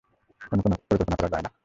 অন্য কোনো পরিকল্পনা করা যায় না?